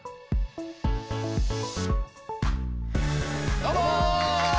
どうも！